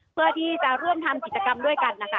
เพื่อที่จะร่วมทำกิจกรรมด้วยกันนะคะ